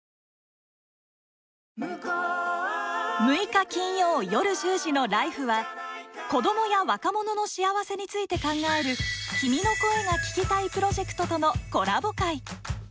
６日金曜夜１０時の「ＬＩＦＥ！」は子どもや若者の幸せについて考える「君の声が聴きたい」プロジェクトとのコラボ回。